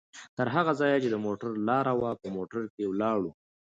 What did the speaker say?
تر هغه ځایه چې د موټر لاره وه، په موټر کې ولاړو؛